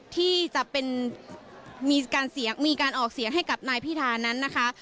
ที่จะมีการออกเสียงให้กับนายพิธานั้นนะคะ